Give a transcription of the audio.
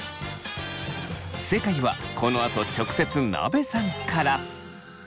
正解はこのあと直接なべさんから。